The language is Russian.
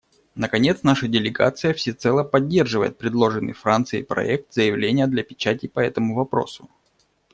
Наконец, наша делегация всецело поддерживает предложенный Францией проект заявления для печати по этому вопросу.